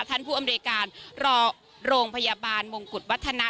ท่านผู้อำเรกานรโรงพยาบาลมงกุฎวัฒนะ